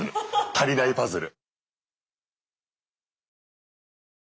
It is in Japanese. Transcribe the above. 足りないパズル。